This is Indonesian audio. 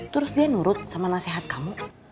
terus dia nurut sama nasihat kamu